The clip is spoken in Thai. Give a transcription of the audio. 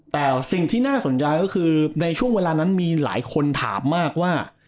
แต่สิ่งที่น่าสนใจก็คือในช่วงเวลานั้นมีหลายคนถามมากว่า